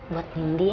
buat nindi ya